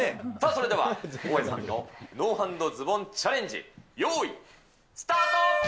それでは、大家さんのノーハンドズボンチャレンジ、よーい、スタート。